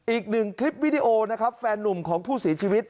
อีกหนึ่งคลิปวิดีโอนะครับแฟนนุ่มของผู้เสียชีวิต